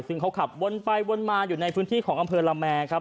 ซึ่งเขาขับวนไปวนมาอยู่ในพื้นที่ของอำเภอละแมครับ